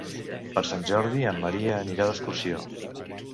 Per Sant Jordi en Maria anirà d'excursió.